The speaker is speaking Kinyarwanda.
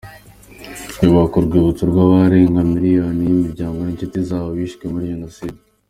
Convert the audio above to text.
Yubahuka urwibutso rw’abarenga miliyoni y’imiryango n’inshuti zacu bishwe muri Jenoside.